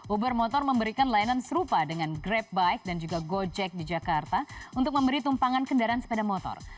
uber motor memberikan layanan serupa dengan grab bike dan juga gojek di jakarta untuk memberi tumpangan kendaraan sepeda motor